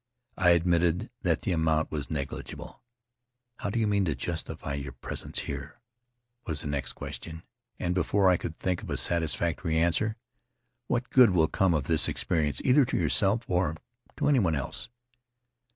I admitted that the amount was negligible. "How do you mean to justify your pres ence here?" was the next question, and before I could think of a satisfactory answer, "What good will come of this experience, either to yourself or to anyone else?"